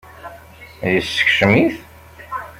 Yeskcem-it?